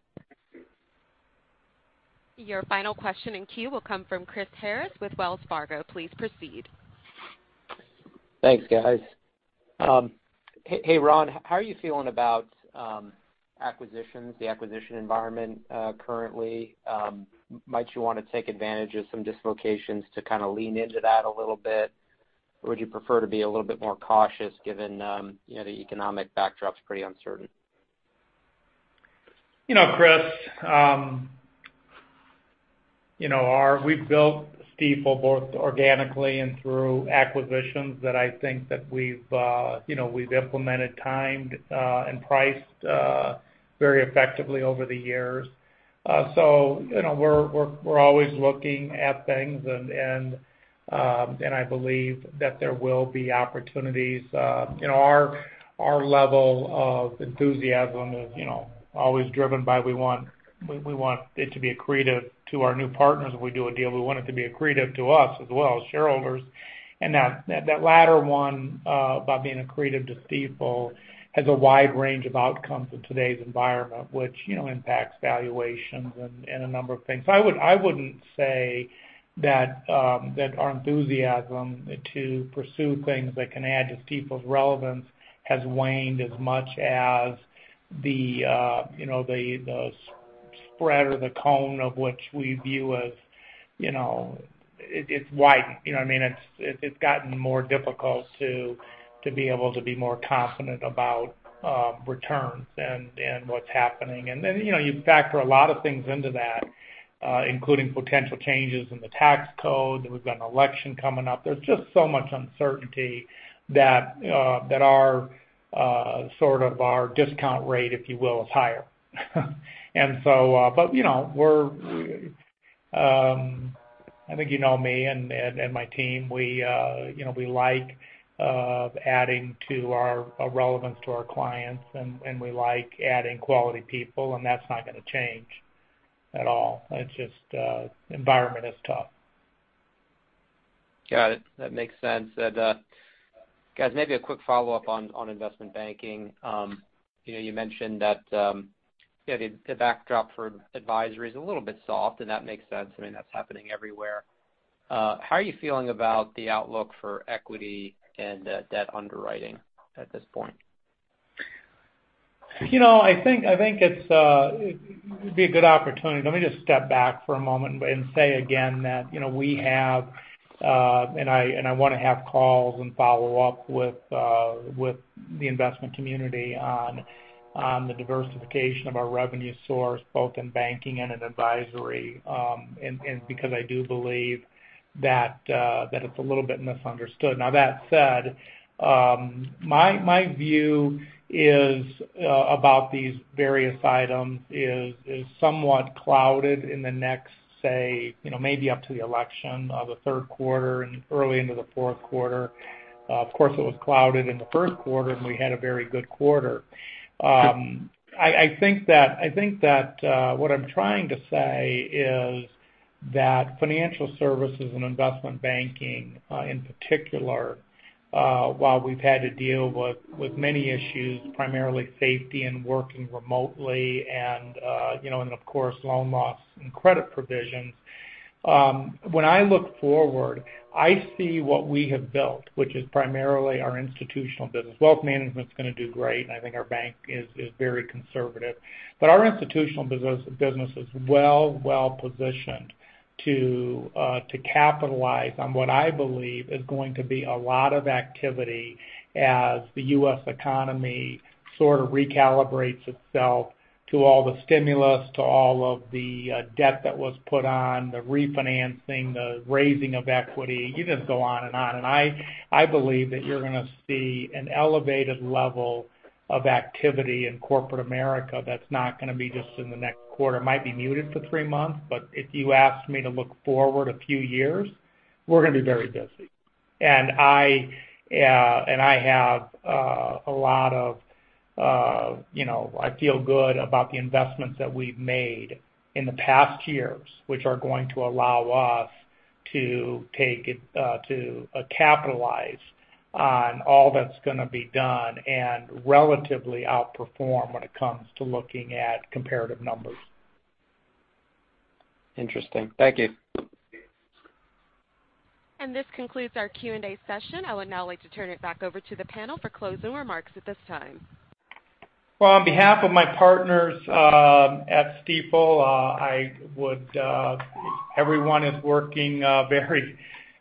Your final question in queue will come from Chris Harris with Wells Fargo. Please proceed. Thanks, guys. Hey, Ron, how are you feeling about acquisitions, the acquisition environment currently? Might you want to take advantage of some dislocations to kind of lean into that a little bit, or would you prefer to be a little bit more cautious given the economic backdrop's pretty uncertain? Chris, we've built Stifel both organically and through acquisitions that I think that we've implemented, timed, and priced very effectively over the years. So we're always looking at things, and I believe that there will be opportunities. Our level of enthusiasm is always driven by we want it to be accretive to our new partners. If we do a deal, we want it to be accretive to us as well, shareholders. And that latter one, by being accretive to Stifel, has a wide range of outcomes in today's environment, which impacts valuations and a number of things. So, I wouldn't say that our enthusiasm to pursue things that can add to Stifel's relevance has waned as much as the spread or the cone of which we view as it's widened. You know what I mean? It's gotten more difficult to be able to be more confident about returns and what's happening. And then you factor a lot of things into that, including potential changes in the tax code. We've got an election coming up. There's just so much uncertainty that sort of our discount rate, if you will, is higher. And so I think you know me and my team. We like adding to our relevance to our clients, and we like adding quality people, and that's not going to change at all. It's just the environment is tough. Got it. That makes sense. Guys, maybe a quick follow-up on investment banking. You mentioned that the backdrop for advisory is a little bit soft, and that makes sense. I mean, that's happening everywhere. How are you feeling about the outlook for equity and debt underwriting at this point? I think it would be a good opportunity. Let me just step back for a moment and say again that we have and I want to have calls and follow up with the investment community on the diversification of our revenue source, both in banking and in advisory, because I do believe that it's a little bit misunderstood. Now, that said, my view about these various items is somewhat clouded in the next, say, maybe up to the election of the third quarter and early into the fourth quarter. Of course, it was clouded in the first quarter, and we had a very good quarter. I think that what I'm trying to say is that financial services and investment banking in particular, while we've had to deal with many issues, primarily safety and working remotely and, of course, loan loss and credit provisions, when I look forward, I see what we have built, which is primarily our institutional business. Wealth management's going to do great, and I think our bank is very conservative. But our institutional business is well, well positioned to capitalize on what I believe is going to be a lot of activity as the U.S. economy sort of recalibrates itself to all the stimulus, to all of the debt that was put on, the refinancing, the raising of equity. You just go on and on. And I believe that you're going to see an elevated level of activity in corporate America that's not going to be just in the next quarter. It might be muted for three months, but if you ask me to look forward a few years, we're going to be very busy. I have a lot. I feel good about the investments that we've made in the past years, which are going to allow us to capitalize on all that's going to be done and relatively outperform when it comes to looking at comparative numbers. Interesting. Thank you. This concludes our Q&A session. I would now like to turn it back over to the panel for closing remarks at this time. Well, on behalf of my partners at Stifel, everyone is working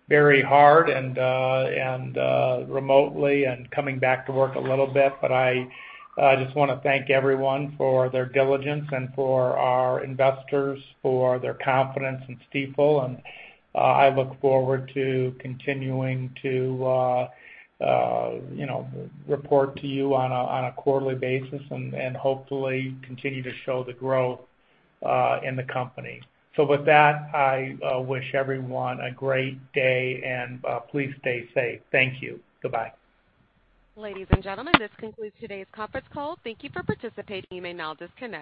very hard and remotely and coming back to work a little bit. I just want to thank everyone for their diligence and, for our investors, for their confidence in Stifel. I look forward to continuing to report to you on a quarterly basis and hopefully continue to show the growth in the company. With that, I wish everyone a great day, and please stay safe. Thank you. Goodbye. Ladies and gentlemen, this concludes today's conference call. Thank you for participating. You may now disconnect.